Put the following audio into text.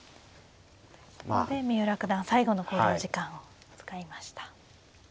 ここで三浦九段最後の考慮時間を使いました。